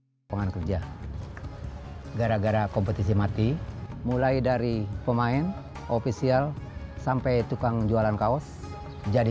lapangan kerja gara gara kompetisi mati mulai dari pemain ofisial sampai tukang jualan kaos jadi